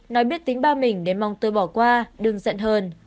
nói biết tính ba mình để mong tôi bỏ qua đừng giận hơn